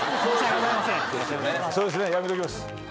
そうですねやめときます。